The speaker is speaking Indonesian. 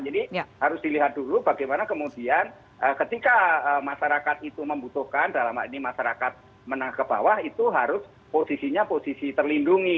jadi harus dilihat dulu bagaimana kemudian ketika masyarakat itu membutuhkan dalam maknanya masyarakat menang ke bawah itu harus posisinya terlindungi